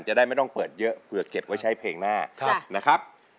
จะได้ไม่ต้องเปิดเยอะเผื่อเก็บไว้ใช้เพลงหน้านะครับ